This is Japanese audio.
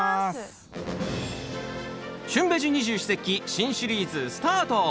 「旬ベジ二十四節気」新シリーズスタート！